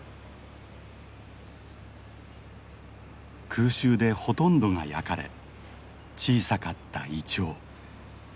空襲でほとんどが焼かれ小さかったイチョウ。